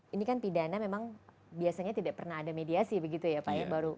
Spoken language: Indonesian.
ini kan pidana memang biasanya tidak pernah ada mediasi begitu ya pak ya